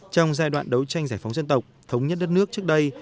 trong giai đoạn đấu tranh giải phóng dân tộc thống nhất đất nước trước đây